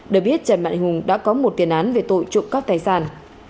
được biết trần mạnh hùng đã có một tiền án về tội trộm cắp tài sản